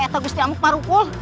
itu gusti amuk parungul